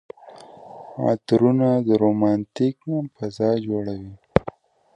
عطرونه د رومانتيک فضا جوړوي.